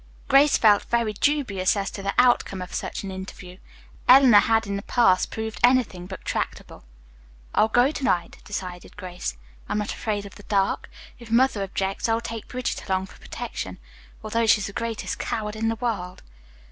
Grace felt very dubious as to the outcome of such an interview. Eleanor had in the past proved anything but tractable. "I'll go to night," decided Grace. "I'm not afraid of the dark. If mother objects, I'll take Bridget along for protection, although she's the greatest coward in the world."